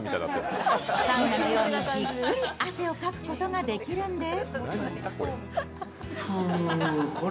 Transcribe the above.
サウナのようにじっくり汗をかくことができるんです。